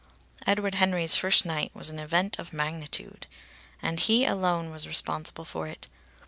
Edward Henry's first night was an event of magnitude. And he alone was responsible for it.